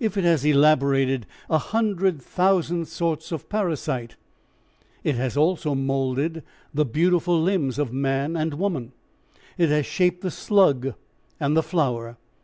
If it has elaborated a hundred thousand sorts of parasite, it has also moulded the beautiful limbs of man and woman; it has shaped the slug and the flower.